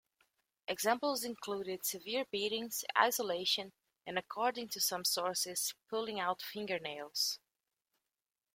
Examples included severe beatings, isolation and, according to some sources, pulling out fingernails.